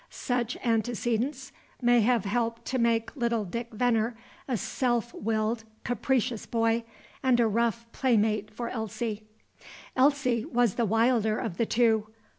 Such antecedents may have helped to make little Dick Venner a self willed, capricious boy, and a rough playmate for Elsie. Elsie was the wilder of the two.